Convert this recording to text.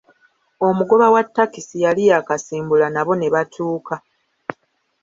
Omugoba wa takisi yali yakasimbula nabo ne batuuka.